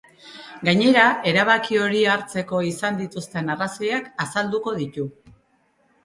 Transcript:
Gainera, erabaki hori hartzeko izan dituzten arrazoiak azalduko ditu.